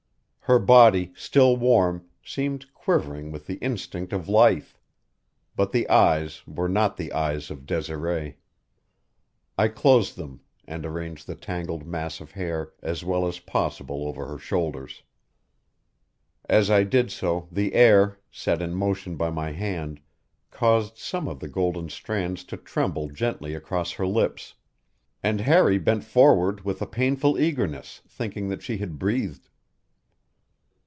Her body, still warm, seemed quivering with the instinct of life; but the eyes were not the eyes of Desiree. I closed them, and arranged the tangled mass of hair as well as possible over her shoulders. As I did so the air, set in motion by my hand, caused some of the golden strands to tremble gently across her lips; and Harry bent forward with a painful eagerness, thinking that she had breathed.